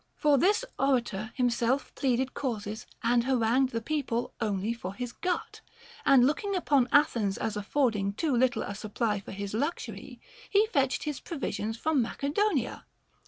For this orator himself pleaded causes and harangued the people only for his gut ; and looking upon Athens as af fording too little a supply for his luxury, he fetched his provisions from Macedonia.